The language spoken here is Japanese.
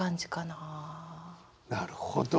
なるほど！